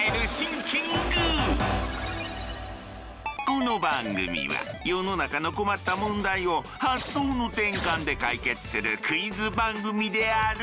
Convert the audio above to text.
この番組は世の中の困った問題を発想の転換で解決するクイズ番組である。